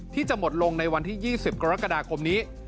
ที่จะหมดลงในวันที่๒๐กรกฎาคมนี้